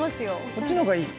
こっちの方がいい？